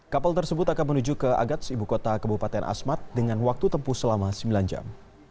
kapal tersebut akan menuju ke agats ibu kota kabupaten asmat dengan waktu tempuh selama sembilan jam